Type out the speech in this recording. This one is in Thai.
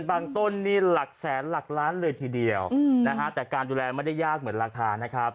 ต้นนี่หลักแสนหลักล้านเลยทีเดียวนะฮะแต่การดูแลไม่ได้ยากเหมือนราคานะครับ